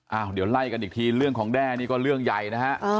เดี๋ยวไล่กันอีกทีเรื่องของแด้นี่ก็เรื่องใหญ่นะฮะ